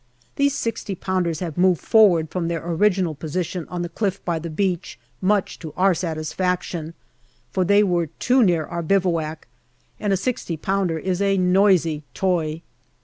These 6o pounders have moved forward from their original position on the cliff by the beach, much to our satisfaction, for they were too near our bivouac, and a 6o pounder is a noisy toy.